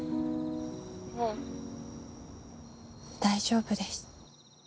もう大丈夫です。